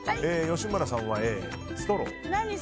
吉村さんはＡ、ストロー。